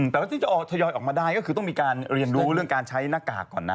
แต่ว่าที่จะทยอยออกมาได้ก็คือต้องมีการเรียนรู้เรื่องการใช้หน้ากากก่อนนะ